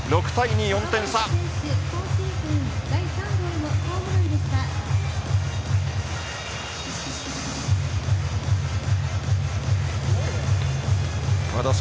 ６対２、４点差。